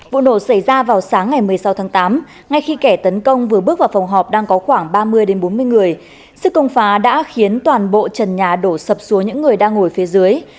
vụ nổ xảy ra vào sáng ngày một mươi sáu tháng tám ngay khi kẻ tấn công vừa bước vào phòng họp đang có khoảng ba mươi bốn mươi người sức công phá đã khiến toàn bộ trần nhà đổ sập xuống những người đang ngồi phía dưới